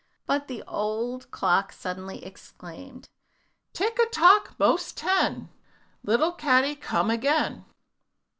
But the old clock suddenly exclaimed, "Tick a tock, 'most ten, Little Caddy, come again."